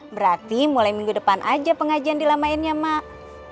berarti mulai minggu depan aja pengajian dilamainnya ya bang